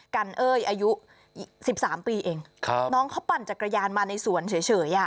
กันเอ้ยอายุสิบสามปีเองครับน้องเขาปั่นจักรยานมาในสวนเฉยเฉยอ่ะ